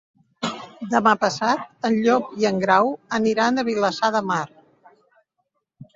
Demà passat en Llop i en Grau aniran a Vilassar de Mar.